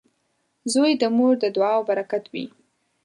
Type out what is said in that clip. • زوی د مور د دعاو برکت وي.